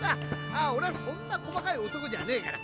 俺はそんな細かい男じゃねえから。